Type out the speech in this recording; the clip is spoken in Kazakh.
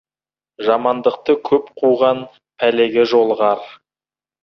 Жамандықты көп қуған пәлеге жолығар.